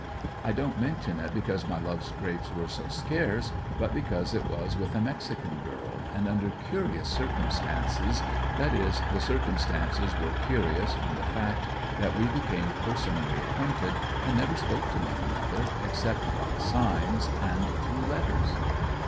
I don't mention it because my love scrapes were so scarce, but because it was with a Mexican girl, and under curious circumstances, that is, the circumstances were curious from the fact that we became personally acquainted and never spoke to one another, except by signs, and through letters.